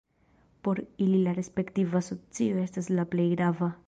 Por ili la respektiva socio estas la plej grava.